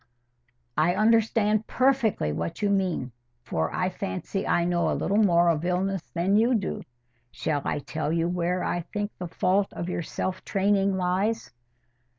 "I understand perfectly what you mean, for I fancy I know a little more of illness than you do. Shall I tell you where I think the fault of your self training lies?"